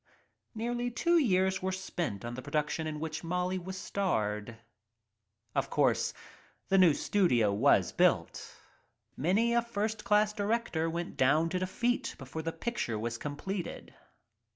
Nearly two years were spent on the production in Molly was starred. Of course, the new was built; many a first class director went down to defeat before the picture was completed.